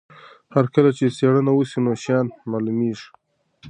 هر کله چې څېړنه وسي نوي شیان معلومیږي.